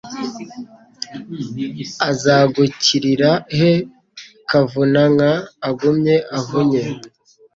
Azagukirira he Kavuna-nka, ugumye uvunye